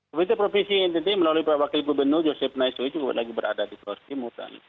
pemperintah provinsi ntt melalui pak wakil ibu benu joseph naiso itu lagi berada di kursi musan